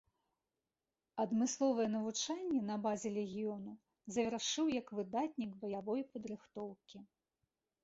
Адмысловае навучанне на базе легіёну завяршыў як выдатнік баявой падрыхтоўкі.